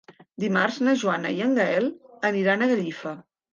Dimarts na Joana i en Gaël aniran a Gallifa.